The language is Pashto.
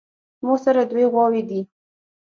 ماسره دوې غواوې دي